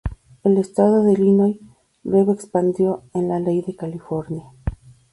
El estado de Illinois luego expandió en la ley de California.